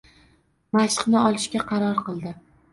mashqni olishga qaror qildi.